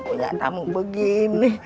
uyak tamu begini